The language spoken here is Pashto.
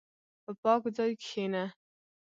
په پاک ځای کښېنه.